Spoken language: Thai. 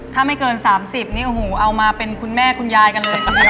ถ้าไม่เกิน๓๐ปีเอามาเป็นคุณแม่คุณยายกันเลยทีเดียว